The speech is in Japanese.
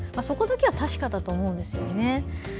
そこだけは確かだと思うんですよね。